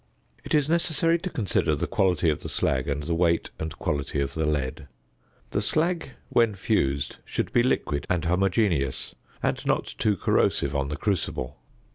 It is necessary to consider the quality of the slag and the weight and quality of the lead. The slag when fused should be liquid and homogeneous, and not too corrosive on the crucible.